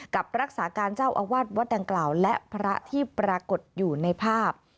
รักษาการเจ้าอาวาสวัดดังกล่าวและพระที่ปรากฏอยู่ในภาพ